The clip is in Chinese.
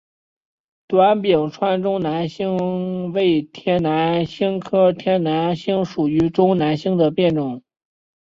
短柄川中南星为天南星科天南星属川中南星的变种。